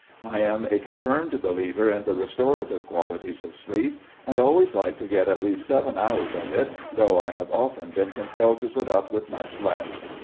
I am a confirmed believer in the restorative qualities of sleep, and always like to get at least seven hours of it, though I have often been compelled to put up with much less."